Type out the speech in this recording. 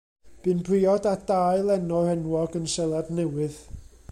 Bu'n briod â dau lenor enwog yn Seland Newydd.